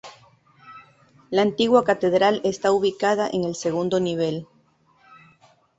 La antigua catedral estaba ubicada en el segundo nivel.